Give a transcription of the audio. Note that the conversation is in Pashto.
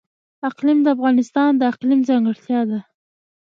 اقلیم د افغانستان د اقلیم ځانګړتیا ده.